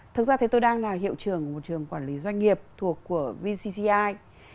thực ra thì tôi đang là hiệu trưởng của một trường quản lý doanh nghiệp thuộc của vcci